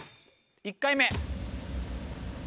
１回目。